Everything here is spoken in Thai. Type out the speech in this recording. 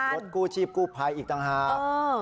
รถกู้ชีพกู้ภัยอีกต่างหาก